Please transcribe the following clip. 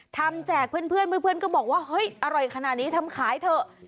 แจกเพื่อนเพื่อนก็บอกว่าเฮ้ยอร่อยขนาดนี้ทำขายเถอะ